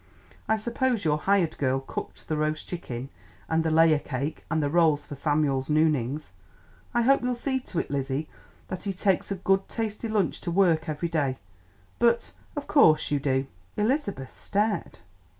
I suppose your hired girl cooked that roast chicken and the layer cake and the rolls for Samuel's noonings. I hope you'll see to it, Lizzie, that he takes a good, tasty lunch to work every day. But of course you do." Elizabeth stared.